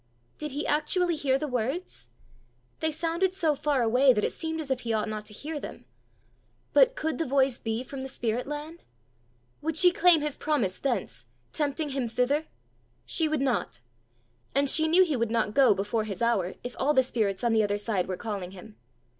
Did he actually hear the words? They sounded so far away that it seemed as if he ought not to hear them. But could the voice be from the spirit land? Would she claim his promise thence, tempting him thither? She would not! And she knew he would not go before his hour, if all the spirits on the other side were calling him.